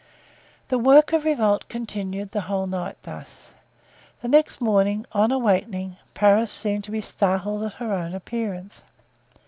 The work of revolt continued the whole night thus. The next morning, on awaking, Paris seemed to be startled at her own appearance.